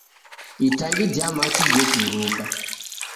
Itangi ja machi jeturuka.